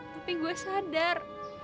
tapi gue sadar